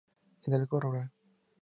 Hidalgo rural.